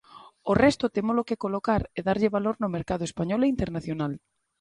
O resto témolo que colocar e darlle valor no mercado español e internacional.